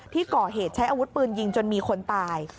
ที่ก่อเหตุใช้อาวุธปืนยิงจนมีคนตาย